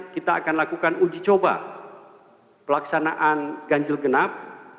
kita akan lakukan uji coba pelaksanaan ganjil genap